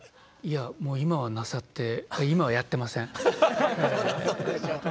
もう今はなさって今はやってません。